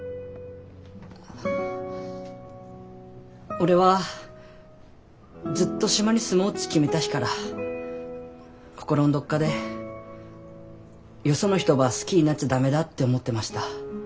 俺はずっと島に住もうっち決めた日から心んどっかでよその人ば好きになっちゃ駄目だって思ってました。